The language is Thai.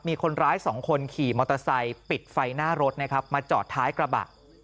มีคนร้ายสองคนขี่มอเตอร์ไซค์ปิดไฟหน้ารถนะครับมาจอดท้ายกระบะ